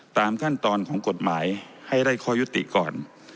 ตามขั้นตอนของกฎหมายให้ได้ข้อยุติก่อน